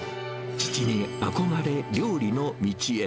父に憧れ、料理の道へ。